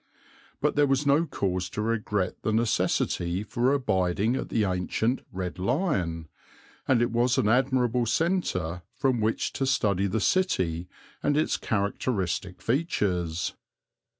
But there was no cause to regret the necessity for abiding at the ancient "Red Lion"; and it was an admirable centre from which to study the city and its characteristic features.